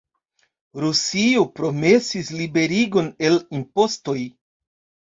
Rusio promesis liberigon el impostoj.